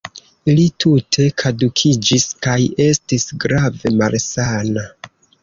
Li tute kadukiĝis kaj estis grave malsana.